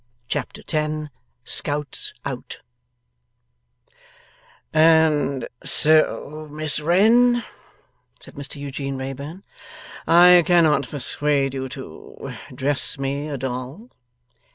Chapter 10 SCOUTS OUT 'And so, Miss Wren,' said Mr Eugene Wrayburn, 'I cannot persuade you to dress me a doll?